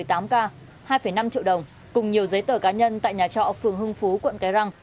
hai năm triệu đồng cùng nhiều giấy tờ cá nhân tại nhà trọ phường hưng phú quận cái răng